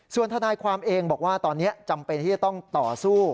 ส่วนทนายความเองบอกว่าตอนนี้จำเป็นที่จะต้องต่อสู้